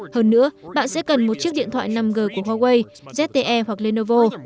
hơn nữa bạn sẽ cần một chiếc điện thoại năm g của huawei zte hoặc lenovo